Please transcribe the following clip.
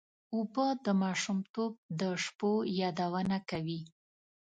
اوبه د ماشومتوب د شپو یادونه کوي.